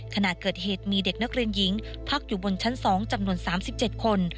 ขณะเกิดเหตุมีเด็กนักเรียนหญิงพักอยู่บนชั้น๒จำนวน๓๗คน